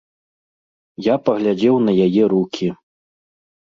Я паглядзеў на яе рукі.